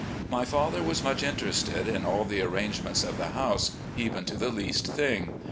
My father was much interested in all the arrangements of the house, even to the least thing.